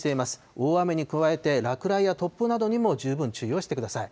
大雨に加えて落雷や突風などにも十分注意をしてください。